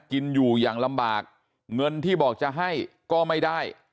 กินอยู่อย่างลำบากเงินที่บอกจะให้ก็ไม่ได้